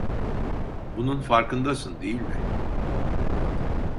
Bunun farkındasın, değil mi?